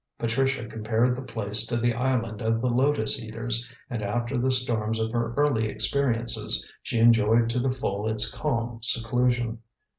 Patricia compared the place to the island of the Lotus eaters, and after the storms of her early experiences, she enjoyed to the full its calm seclusion.